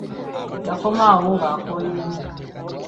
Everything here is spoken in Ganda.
Yakomawo ng'akooye nnyo.